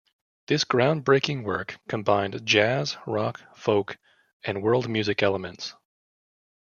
This ground-breaking work combined jazz, rock, folk, and world music elements.